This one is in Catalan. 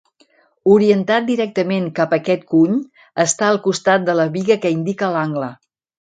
Orientat directament cap a aquest cuny està el costat de la biga que indica l'angle.